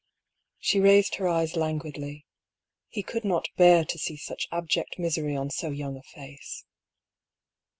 She raised her eyes languidly. He could not bear to see such abject misery on so young a face.